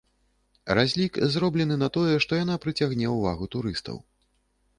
Разлік зроблены на тое, што яна прыцягне ўвагу турыстаў.